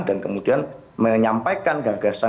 dan kemudian menyampaikan gagasan